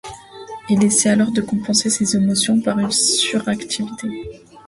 Il essaie alors de compenser ses émotions par une suractivité.